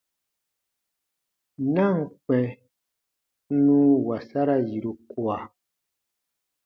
Na ǹ kpɛ̃ n nun wasara yiru kua.